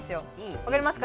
わかりますか？